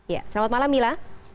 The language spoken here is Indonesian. ya selamat malam mila